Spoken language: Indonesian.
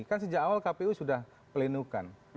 kan sejak awal kpu sudah pelindungan